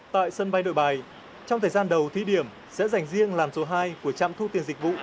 tại sân bay nội bài trong thời gian đầu thí điểm sẽ dành riêng làn số hai của trạm thu tiền dịch vụ